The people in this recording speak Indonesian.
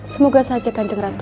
semoga saja kanjeng ratu